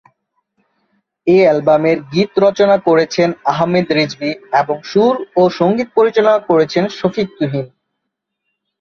এই অ্যালবামের গীত রচনা করেছেন আহমেদ রিজভী এবং সুর ও সঙ্গীত পরিচালনা করেছেন শফিক তুহিন।